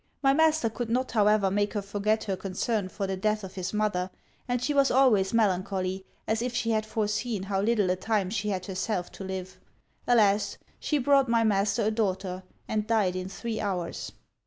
My master could not however make her forget her concern for the death of his mother; and she was always melancholy, as if she had foreseen how little a time she had herself to live. Alas! she brought my master a daughter, and died in three hours!'